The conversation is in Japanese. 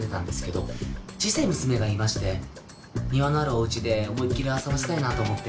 小さい娘がいまして庭のあるお家で思いっきり遊ばせたいなと思って。